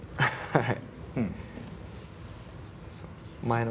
はい。